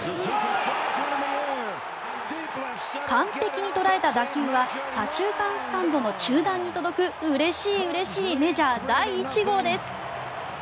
完璧に捉えた打球は左中間スタンドの中段に届くうれしいうれしいメジャー第１号です。